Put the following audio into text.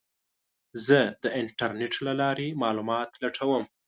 زه د انټرنیټ له لارې معلومات لټوم.